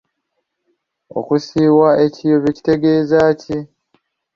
Okusiwa ekiyobyo kitegeeza ki?